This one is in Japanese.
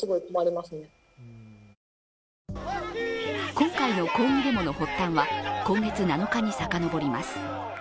今回の抗議デモの発端は今月７日に遡ります。